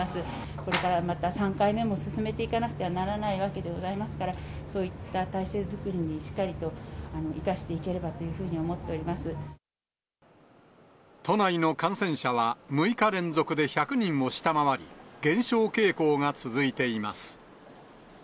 これからまた３回目も進めていかなくてはならないわけでございますから、そういった体制作りにしっかりと生かしていければというふうに思都内の感染者は６日連続で１００人を下回り、減少傾向が続いています。